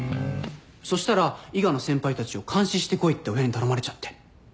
そしたら伊賀の先輩たちを監視してこいって親に頼まれちゃって。